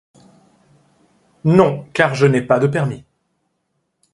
Non, car je n'ai pas de permis